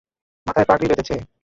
মাথায় পাগড়ী বেঁধেছে।